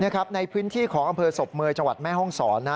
นี่ครับในพื้นที่ของอำเภอศพเมย์จังหวัดแม่ฮ่องศรนะ